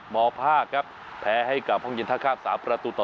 มภาคครับแพ้ให้กับห้องเย็นท่าข้าม๓ประตูต่อ